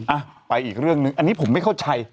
อ่ะไปอีกเรื่องหนึ่งอันนี้ผมไม่เข้าใจ